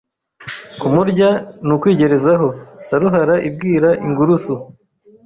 Kumurya ni ukwigerezaho Saruhara ibwira ingurusu